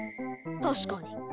確かに。